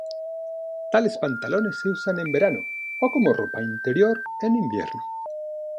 Tales pantalones se usan en verano o como ropa interior en invierno.